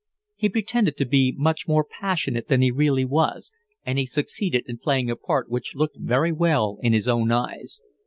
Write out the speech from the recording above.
He pretended to be much more passionate than he really was, and he succeeded in playing a part which looked very well in his own eyes.